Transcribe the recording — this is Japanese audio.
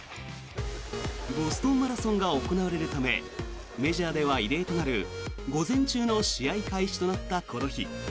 ボストンマラソンが行われるためメジャーでは異例となる午前中の試合開始となったこの日。